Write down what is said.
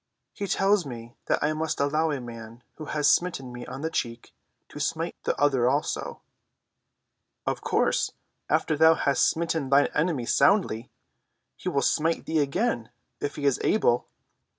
"He tells me that I must allow a man who has smitten me on one cheek to smite the other also." "Of course, after thou hast smitten thine enemy soundly, he will smite thee again, if he is able.